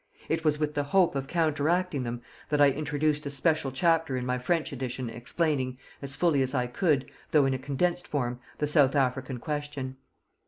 It was with the hope of counteracting them that I introduced a special chapter in my French edition explaining, as fully as I could, though in a condensed form, the South African question.